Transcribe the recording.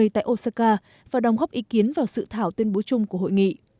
tại osaka và đóng góp ý kiến vào sự thảo tuyên bố chung của hội nghị